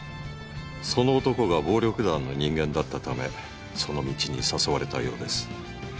その男が暴力団の人間だったためその道に誘われたようです。